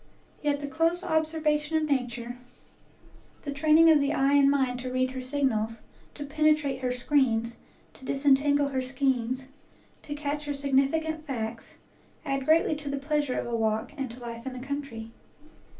Yet the close observation of nature, the training 3 NATURE LORE of the eye and mind to read her signals, to penetrate her screens, to disentangle her skeins, to catch her significant facts, add greatly to the pleasure of a walk and to life in the country.